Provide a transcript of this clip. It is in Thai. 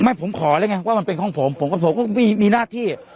ไม่ผมขอแล้วไงว่ามันเป็นของผมผมกับผมก็ไม่มีหน้าที่